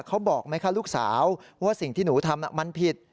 เขาบอกไหมคะลูกสาวว่าสิ่งที่หนูทำมันผิด